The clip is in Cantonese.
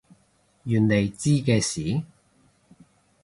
原來知嘅事？